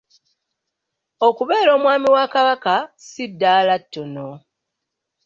Okubeera Omwami wa Kabaka ssi ddaala ttono.